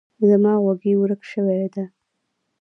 زما غوږۍ ورک شوی ده.